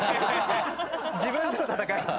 自分との闘い。